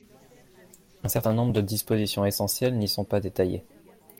Un certain nombre de dispositions essentielles n’y sont pas détaillées.